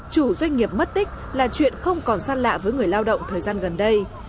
chủ doanh nghiệp mất tích là chuyện không còn xa lạ với người lao động thời gian gần đây